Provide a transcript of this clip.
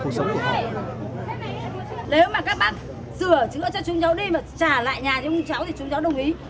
nếu mà các bác sửa chữa cho chúng cháu đi mà trả lại nhà cho chúng cháu thì chúng cháu đồng ý